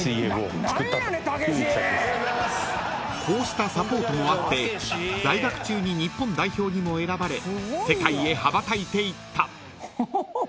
［こうしたサポートもあって在学中に日本代表にも選ばれ世界へ羽ばたいていった］